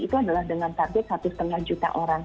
itu adalah dengan target satu lima juta orang